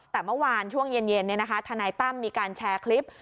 แต่เมื่อวานช่วงเย็นทนายตั้มมีการแชร์คลิป